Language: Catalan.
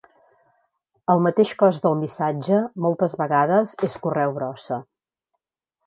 El mateix cos del missatge moltes vegades és correu brossa.